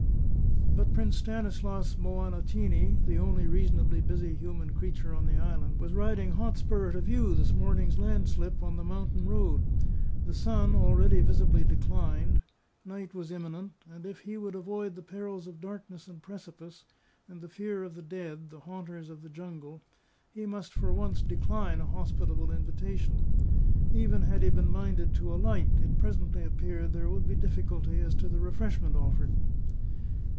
But Prince Stanilas Moanatini, the only reasonably busy human creature on the island, was riding hot spur to view this morning's landslip on the mountain road: the sun already visibly declined; night was imminent; and if he would avoid the perils of darkness and precipice, and the fear of the dead, the haunters of the jungle, he must for once decline a hospitable invitation. Even had he been minded to alight, it presently appeared there would be difficulty as to the refreshment offered.